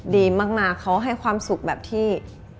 ดีมากเขาให้ความสุขแบบที่